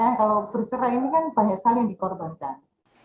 kalau bercerai ini kan banyak sekali yang dikorbankan